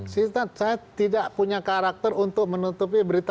saya tidak punya karakter untuk menutupi berita